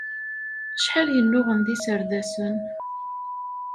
Acḥal yennuɣen d iserdasen?